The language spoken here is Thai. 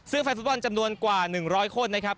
ซึ่งแฟนฟุตบอลจำนวนกว่า๑๐๐คนนะครับ